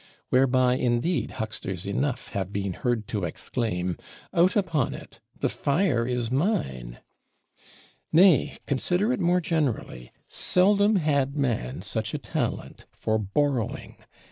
Whereby, indeed, hucksters enough have been heard to exclaim: Out upon it, the fire is mine! Nay, consider it more generally, seldom had man such a talent for borrowing.